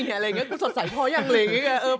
เรื่อยกูสดใจพออย่างนี้